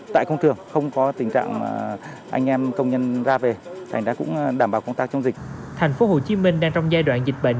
tp hcm đang trong giai đoạn dịch bệnh